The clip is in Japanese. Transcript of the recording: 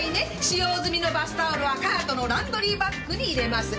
使用済みのバスタオルはカートのランドリーバッグに入れます。